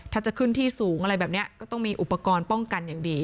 ถ้าจะขึ้นที่สูงอะไรแบบนี้ก็ต้องมีอุปกรณ์ป้องกันอย่างดี